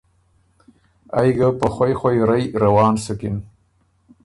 ائ ګه په خوئ خوئ رئ روان سُکِن۔